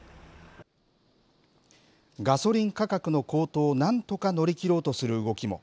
ガソリン価格の高騰をなんとか乗りきろうとする動きも。